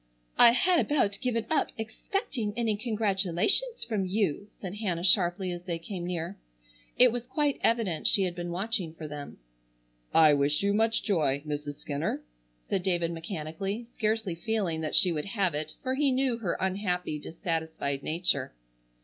"I had about given up expecting any congratulations from you," said Hannah sharply as they came near. It was quite evident she had been watching for them. "I wish you much joy, Mrs. Skinner," said David mechanically, scarcely feeling that she would have it for he knew her unhappy, dissatisfied nature.